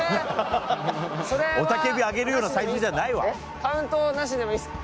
雄たけび上げるようなサイズじゃないわ。